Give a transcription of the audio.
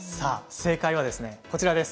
正解はこちらです。